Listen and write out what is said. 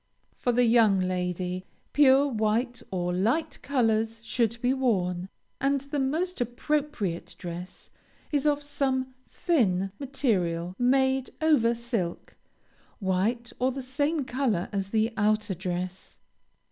For the young lady, pure white or light colors should be worn, and the most appropriate dress is of some thin material made over silk, white, or the same color as the outer dress.